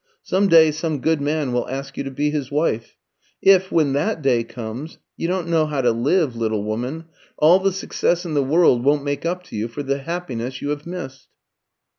Some day some good man will ask you to be his wife. If, when that day comes, you don't know how to love, little woman, all the success in the world won't make up to you for the happiness you have missed."